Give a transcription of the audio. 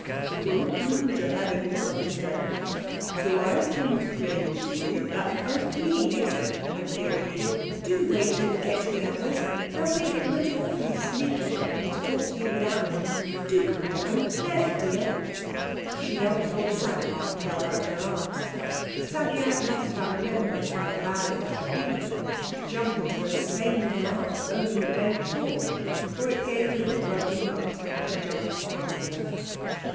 It won't do to have any misunderstanding, so I tell you plainly that—" "Oh, please," Anthea pleaded, "do wait till we get to the others. They'll think it most awfully sneakish of me to talk to you without them; do come down, there's a dear." She knelt before the sand bath and held out her arms. The Psammead must have remembered how glad it had been to jump into those same little arms only the day before, for it gave a little grudging grunt, and jumped once more.